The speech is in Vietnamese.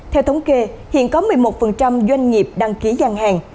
theo thống kê hiện có một mươi một doanh nghiệp đăng ký gian hàng